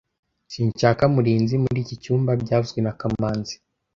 Sinshaka Murinzi muri iki cyumba byavuzwe na kamanzi